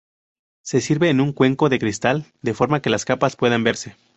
Se sirve en un cuenco de cristal, de forma que las capas puedan verse.